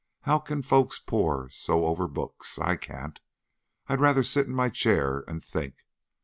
How can folks pore so over books? I can't. I'd rather sit in my chair and think.